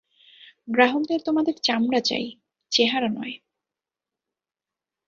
গ্রাহকদের তোমাদের চামড়া চাই, চেহারা নয়।